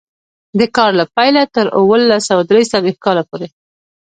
د کار له پیله تر اوولس سوه درې څلوېښت کاله پورې.